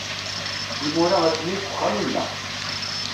Imura atni deg wexxam-inna.